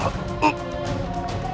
aku tidak menyangka